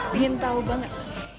pengen tau banget